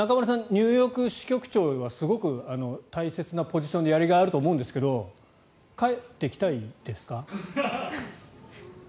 ニューヨーク支局長はすごく大切なポジションでやりがいあると思うんですけど帰ってきたいですか？